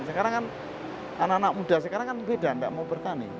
sekarang kan anak anak muda sekarang kan beda nggak mau bertani